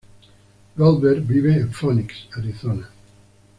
Goldberg vive en Phoenix, Arizona.